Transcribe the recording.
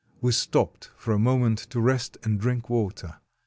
We stopped for a mo ment to rest and drink water.